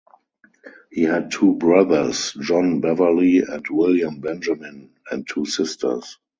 He had two brothers, John Beverley and William Benjamin, and two sisters.